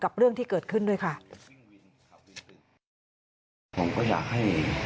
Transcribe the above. กับเรื่องที่เกิดขึ้นด้วยค่ะ